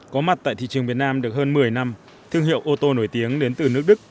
có mặt tại thị trường việt nam được hơn một mươi năm thương hiệu ô tô nổi tiếng đến từ nước đức